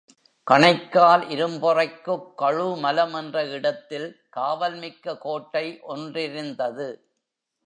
கணைக்கால் இரும்பொறைக்குக் கழுமலம் என்ற இடத்தில் காவல் மிக்க கோட்டை ஒன்றிருந்தது.